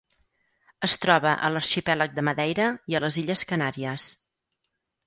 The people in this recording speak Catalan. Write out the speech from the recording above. Es troba a l'Arxipèlag de Madeira i a les Illes Canàries.